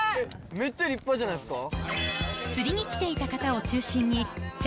めっちゃ立派じゃないですか？